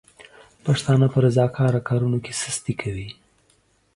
پښتانه په رضاکاره کارونو کې سستي کوي.